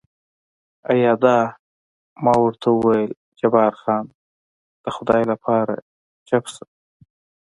ایا دا؟ ما ورته وویل جبار خان، د خدای لپاره چوپ شه.